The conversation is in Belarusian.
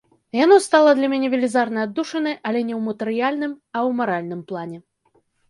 Яно стала для мяне велізарнай аддушынай, але не ў матэрыяльным, а ў маральным плане.